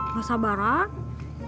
gak sabar atuh